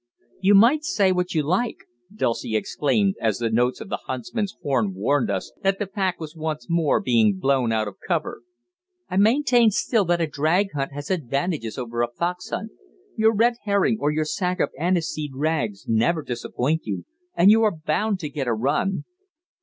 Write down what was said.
"You may say what you like," Dulcie exclaimed as the notes of the huntsman's horn warned us that the pack was once more being blown out of cover, "I maintain still that a drag hunt has advantages over a fox hunt your red herring or your sack of aniseed rags never disappoint you, and you are bound to get a run."